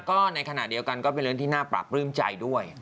แล้วก็เป็นเรื่องที่น่าปลาปลื้มใจด้วย